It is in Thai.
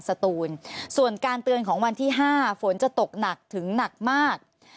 สตูนส่วนการเตือนของวันที่๕ฝนจะตกหนักถึงหนักมาก